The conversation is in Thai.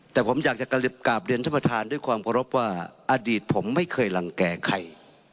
แต่ผมอยากจะกลับเรียนท่านประธานด้วยความเคารพว่าอดีตผมไม่เคยรังแก่ใคร